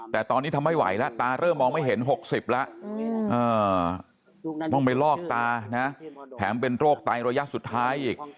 แต่ตอนนี้ทำไม่ไหวแล้วตาเริ่มมองไม่เห็น๖๐แล้วต้องไปลอกตานะแถมเป็นโรคไตระยะสุดท้ายอีก